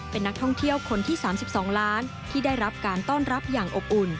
เป็นนักท่องเที่ยวคนที่๓๒ล้านที่ได้รับการต้อนรับอย่างอบอุ่น